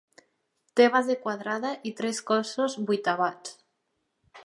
Té base quadrada i tres cossos vuitavats.